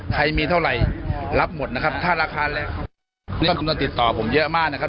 ใครมีเท่าไหร่รับหมดนะครับถ้าราคาแรงนี่จำนวนติดต่อผมเยอะมากนะครับ